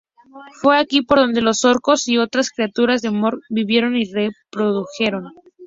Fue aquí donde los orcos y otras criaturas de Morgoth vivieron y reprodujeron.